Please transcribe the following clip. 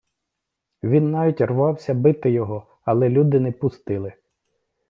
Він навіть рвався бити його, але люди не пустили.